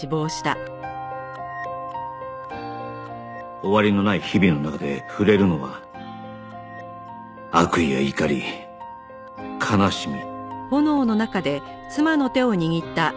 終わりのない日々の中で触れるのは悪意や怒り悲しみ